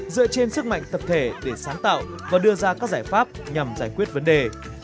dựa trên sức mạnh tập thể để sáng tạo và đưa ra các giải pháp nhằm giải quyết vấn đề